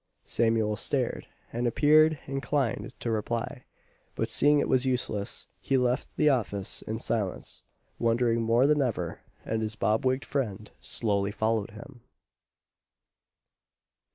Samuel stared, and appeared inclined to reply, but seeing it was useless, he left the office in silence, wondering more than ever; and his bob wigg'd friend slowly followed him.